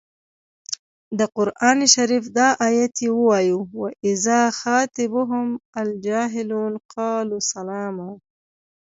د قران شریف دا ایت یې ووايه و اذا خاطبهم الجاهلون قالو سلاما.